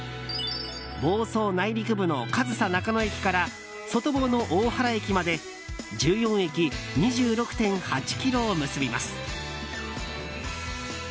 房総内陸部の上総中野駅から外房の大原駅まで１４駅２６．８ｋｍを結びます。